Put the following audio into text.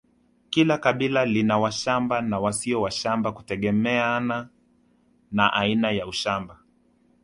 Kila kabila lina washamba na wasio washamba kutegemeana na aina ya ushamba